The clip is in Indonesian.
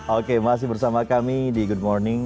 oke masih bersama kami di good morning